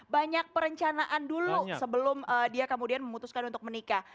banyak perencanaan dulu sebelum dia kemudian memutuskan untuk menikah